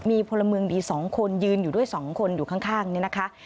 มีพลเมืองดี๒คนยืนอยู่ด้วย๒คนอยู่ข้างนี่นะคะ